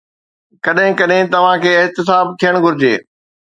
ڪڏهن ڪڏهن توهان کي احتساب ٿيڻ گهرجي.